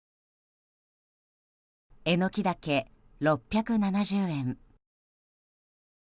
エノキダケ、６７０円。